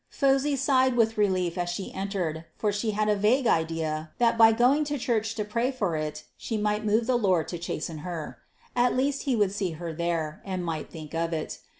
Phosy sighed from relief as she entered, for she had a vague idea that by going to church to pray for it she might move the Lord to chasten her. At least he would see her there, and might think of it.